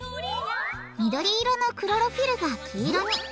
緑色のクロロフィルが黄色に。